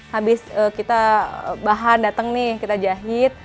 habis kita bahan dateng nih kita jahit